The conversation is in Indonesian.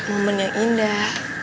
momen yang indah